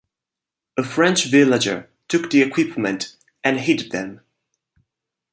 A French villager took the equipment and hid them.